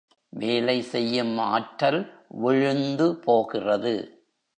வேலை செய்யும் ஆற்றல் விழுந்து போகிறது.